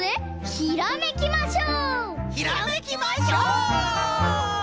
ひらめきましょう！